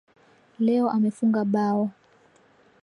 Leo amefunga bao